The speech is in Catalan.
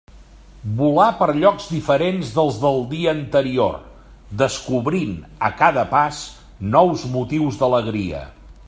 Volà per llocs diferents dels del dia anterior, descobrint, a cada pas, nous motius d'alegria.